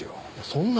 そんな。